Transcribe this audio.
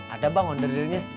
ada bang ondrilnya